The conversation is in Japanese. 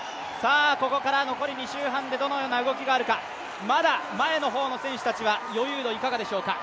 ここから残り２周半でどのような動きがあるかまだ、前の方の選手たちは余裕度、どうでしょうか？